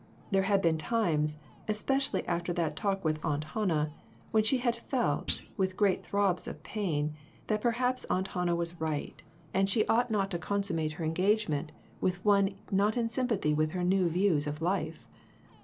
There had been times, especially after that talk with Aunt Han nah, when she had felt, with great throbs of pain, that perhaps Aunt Hannah was right, and she 362 COMPLICATIONS. ought not to consummate her engagement with one not in sympathy with her new views of life.